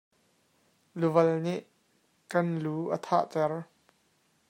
Luval nih kan lu a thah ter.